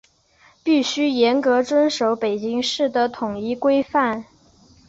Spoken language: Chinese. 必须严格遵守北京市的统一规范